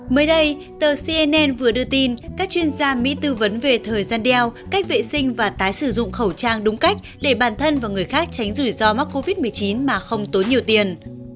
mới đây tờ cnn vừa đưa tin các chuyên gia mỹ tư vấn về thời gian đeo cách vệ sinh và tái sử dụng khẩu trang đúng cách để bản thân và người khác tránh rủi ro mắc covid một mươi chín mà không tốn nhiều tiền